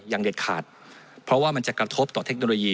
เด็ดขาดเพราะว่ามันจะกระทบต่อเทคโนโลยี